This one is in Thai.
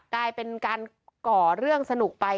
กลายเป็นการก่อเรื่องสนุกไป